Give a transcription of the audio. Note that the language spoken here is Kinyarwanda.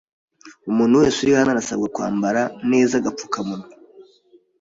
Umuntu wese uri hano arasabwa kwambara neza agapfukamunwa?